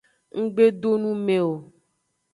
Ng gbe do nu me o.